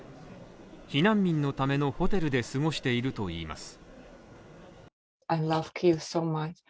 避難民のためのホテルで過ごしているといいます。